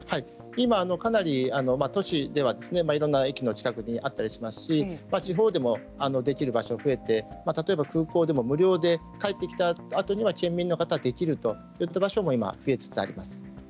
今かなり都市ではいろんな駅の近くにあったりしますし、地方でもできる場所が増えて例えば空港でも無料で帰ってきたあとには県民の方はできるといった場所も今、増えつつあります。